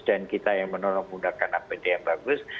dan kita yang menolong menggunakan apd yang bagus